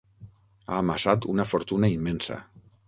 Ha amassat una fortuna immensa.